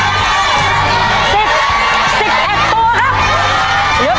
โอ้หมดทีละสองตัวแล้วนะฮะ